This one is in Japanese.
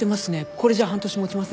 これじゃ半年持ちません。